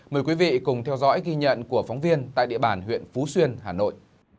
mời quý vị cùng theo dõi ghi nhận của phóng viên tại địa bàn huyện phú xuyên hà nội